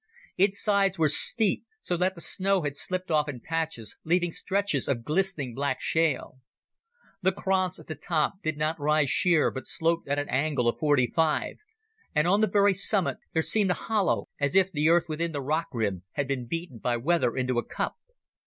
Its sides were steep, so that the snow had slipped off in patches, leaving stretches of glistening black shale. The kranz at the top did not rise sheer, but sloped at an angle of forty five, and on the very summit there seemed a hollow, as if the earth within the rock rim had been beaten by weather into a cup.